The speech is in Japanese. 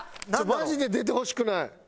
マジで出てほしくない。